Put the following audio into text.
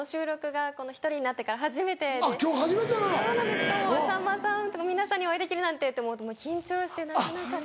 しかもさんまさんとか皆さんにお会いできるなんてって思うともう緊張してなかなか。